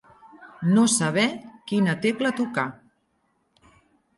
No saber quina tecla tocar.